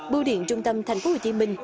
bưu điện trung tâm tp hcm